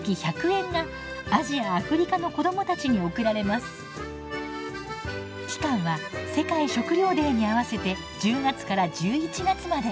すると期間は世界食料デーに合わせて１０月から１１月まで。